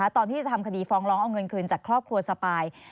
ตอนที่จะทำคดีฟ้องร้องเอาเงินคืนจากครอบครัวสปาย